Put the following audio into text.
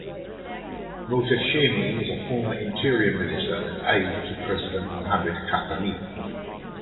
Mohtashemi was a former interior minister and aide to President Mohammad Khatami.